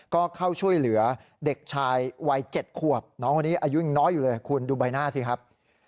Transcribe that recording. ก็เข้าช่วยเหลือเด็กชายวัย๗ขวบน้องคนนี้อายุยังน้อยอยู่เลยคุณดูใบหน้าสิครับ